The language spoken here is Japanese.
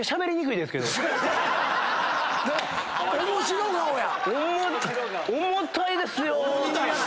面白顔や！